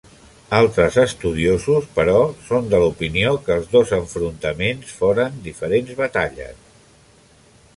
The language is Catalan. Altres estudiosos, però, són de l'opinió que els dos enfrontaments foren diferents batalles.